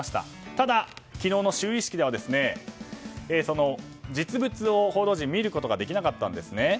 ただ昨日の就位式ではその実物を報道陣は見ることができなかったんですね。